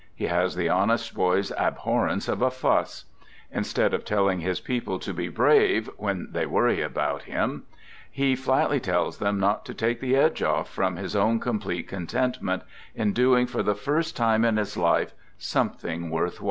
He has the honest boy's abhorrence of a fuss. Instead of telling his people to be brave when they worry about him, he flatly tells them not to " take the edge off " from his own complete contentment in doing for the first time in his life something " worth while."